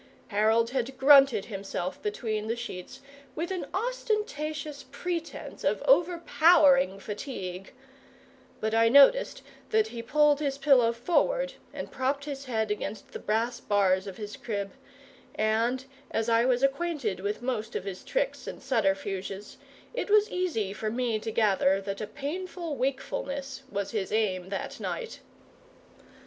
Harold had grunted himself between the sheets with an ostentatious pretence of overpowering fatigue; but I noticed that he pulled his pillow forward and propped his head against the brass bars of his crib, and, as I was acquainted with most of his tricks and subterfuges, it was easy for me to gather that a painful wakefulness was his aim that night.